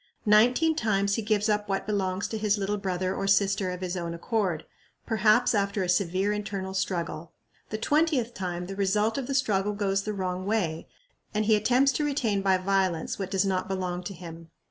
Nineteen times he gives up what belongs to his little brother or sister of his own accord, perhaps after a severe internal struggle. The twentieth time the result of the struggle goes the wrong way, and he attempts to retain by violence what does not belong to him.